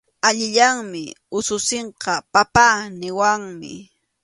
Allillanmi ususinqa “papá” niwanmi.